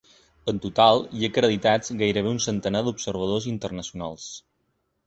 En total, hi ha acreditats gairebé un centenar d’observadors internacionals.